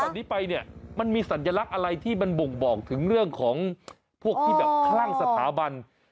นี้ไปเนี่ยมันมีสัญลักษณ์อะไรที่มันบ่งบอกถึงเรื่องของพวกที่แบบคลั่งสถาบัน